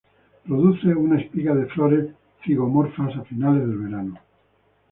Produce una espiga de flores zigomorfas a finales del verano.